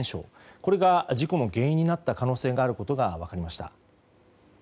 これが事故の原因となった可能性があることが分かりました。